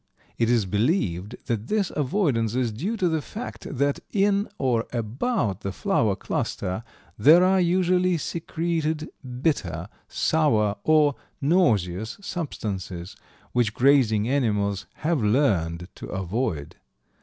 It is believed that this avoidance is due to the fact that in or about the flower cluster there are usually secreted bitter, sour, or nauseous substances, which grazing animals have learned to avoid.